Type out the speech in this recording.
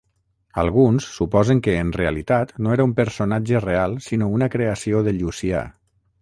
Alguns suposen que en realitat no era un personatge real sinó una creació de Llucià.